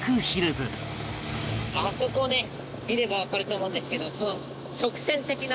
あそこね見ればわかると思うんですけど。